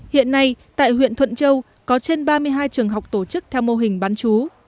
hiện nay tại huyện thuận châu có trên ba mươi hai trường học tổ chức theo mô hình bán chú